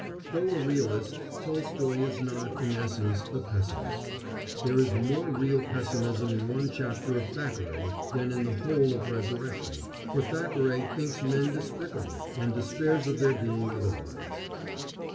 Though a realist Tolstoy is not, in essence, a pessimist. There is more real pessimism in one chapter of Thackeray than in the whole of Resurrection, for Thackeray thinks men despicable, and despairs of their being otherwise.